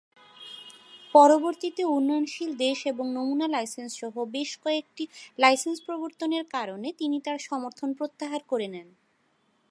পরবর্তীতে উন্নয়নশীল দেশ এবং নমুনা লাইসেন্স সহ বেশ কয়েকটি লাইসেন্স প্রবর্তনের কারণে তিনি তার সমর্থন প্রত্যাহার করে নেন।